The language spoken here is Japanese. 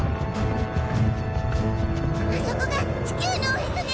あそこが地球のおへそね！